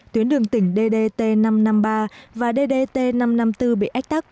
tuyến đường tỉnh ddt năm trăm năm mươi ba và ddt năm trăm năm mươi bốn bị ách tắc